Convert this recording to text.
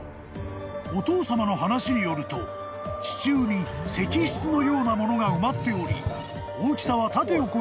［お父さまの話によると地中に石室のようなものが埋まっており］